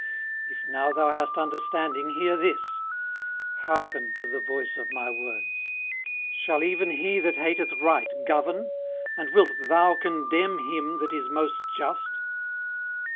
18:034:016 If now thou hast understanding, hear this: hearken to the voice of my words. 18:034:017 Shall even he that hateth right govern? and wilt thou condemn him that is most just?